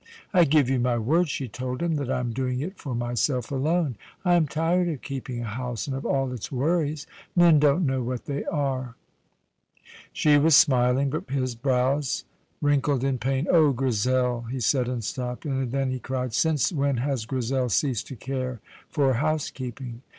"I give you my word," she told him, "that I am doing it for myself alone. I am tired of keeping a house, and of all its worries. Men don't know what they are." She was smiling, but his brows wrinkled in pain. "Oh, Grizel!" he said, and stopped. And then he cried, "Since when has Grizel ceased to care for housekeeping?"